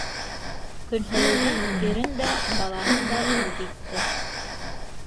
Көнһылыуҙың ирен дә, балаһын да үҙ итте.